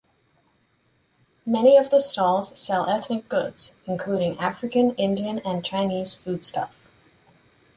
Many of the stalls sell ethnic goods, including African, Indian and Chinese foodstuff.